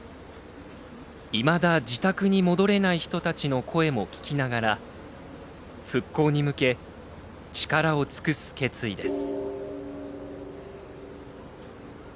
いまだ自宅に戻れない人たちの声も聞きながら復興に向け、力を尽くす決意です。